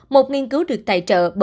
một nghiên cứu được tài trợ bởi